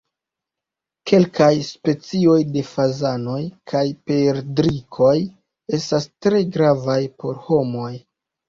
Kelkaj specioj de fazanoj kaj perdrikoj estas tre gravaj por homoj.